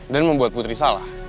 dan membuat putri salah